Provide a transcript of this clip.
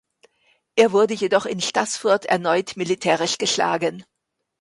Er wurde jedoch in Staßfurt erneut militärisch geschlagen.